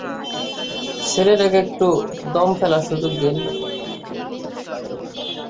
ছেলেটাকে একটু দম ফেলার সুযোগ দিন!